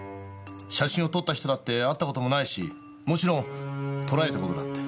写真を撮った人だって会った事もないしもちろん撮られた事だって。